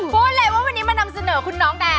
พูดเลยว่าวันนี้มานำเสนอคุณน้องแดน